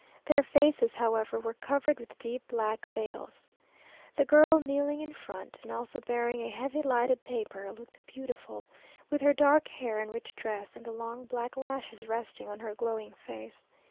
Their faces, however, were covered with deep black veils. The girl, kneeling in front, and also bearing a heavy lighted taper, looked beautiful, with her dark hair and rich dress, and the long black lashes resting on her glowing face.